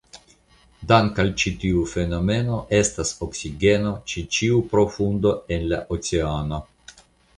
Dank' al ĉi tiu fenomeno estas oksigeno ĉe ĉiu profundo en la oceano.